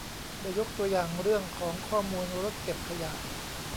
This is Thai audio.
ได้ยกตัวอย่างเรื่องของข้อมูลรถเก็บขยะ